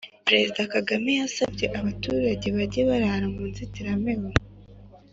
Perezida Kagame yasabye abaturejye bajye barara mu inzitiramibu